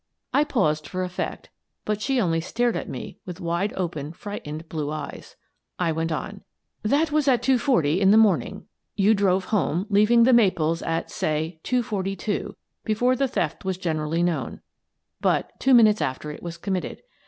I paused for effect, but she only stared at me with wide opened frightened blue eyes. I went on : "That was at two forty, in the morning. You drove home, leaving 'The Maples' at, say, two forty two, before the theft was generally known, but two minutes after it was committed.